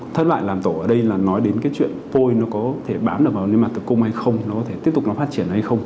thất bại làm tổ ở đây là nói đến cái chuyện phôi nó có thể bám được vào nư mạc tử cung hay không nó có thể tiếp tục phát triển hay không